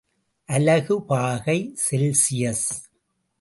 அலகு பாகை செல்சியஸ்.